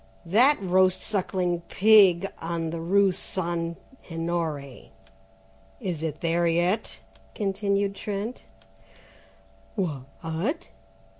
"That roast sucking pig on the rue St. Honoré, is it there yet?" continued Trent. "Wh at?"